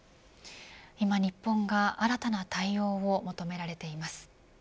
今、日本が新たな対応を求められています。